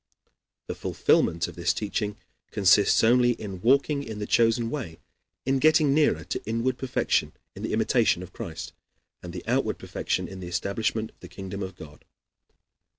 The fulfillment of this teaching consists only in walking in the chosen way, in getting nearer to inward perfection in the imitation of Christ, and outward perfection in the establishment of the kingdom of God.